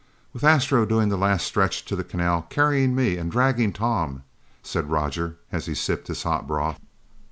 "With Astro doing the last stretch to the canal carrying me and dragging Tom," said Roger as he sipped his hot broth.